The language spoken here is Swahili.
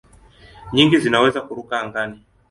Nyingi zinaweza kuruka angani.